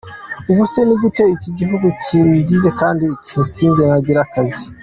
Ubu se ni gute iki gihugu kindinze kandi kinsize ntagira akazi?”.